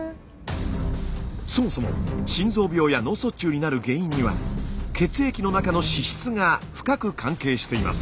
そもそも心臓病や脳卒中になる原因には血液の中の脂質が深く関係しています。